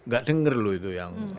gak denger loh itu yang